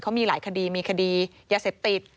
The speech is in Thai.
เขามีหลายคดีมีคดียาเสพติด